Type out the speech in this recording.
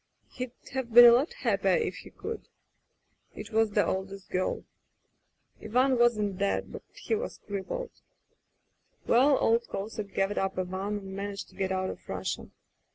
He'd have been a lot happier if he could. It was the oldest girl ... Ivan wasn't dead, but he was crippled. "Well, old Kosek gathered up Ivan and managed to get out of Russia.